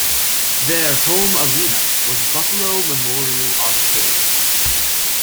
Their home arena was Buffalo Memorial Auditorium.